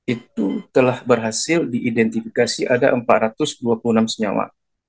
itu telah berhasil diidentifikasi ada empat ratus dua puluh enam senyawa